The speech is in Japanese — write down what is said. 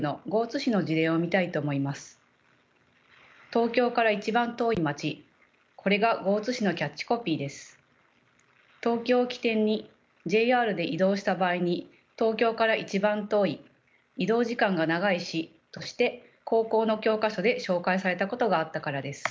東京を起点にＪＲで移動した場合に東京から一番遠い移動時間が長い市として高校の教科書で紹介されたことがあったからです。